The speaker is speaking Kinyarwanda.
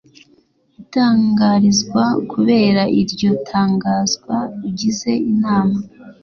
itangarizwa Kubera iryo tangazwa ugize inama